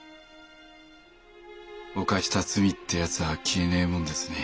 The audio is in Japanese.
犯した罪ってやつは消えねえもんですね。